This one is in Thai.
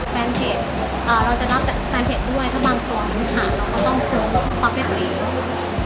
แฟนเพจเราจะรับแฟนเพจด้วยถ้าบางตัวมือขาเราก็ต้องซื้อปั๊กได้ตัวเอง